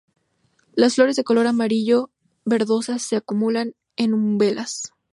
Las flores de color amarillo-verdosas se acumulan en umbelas.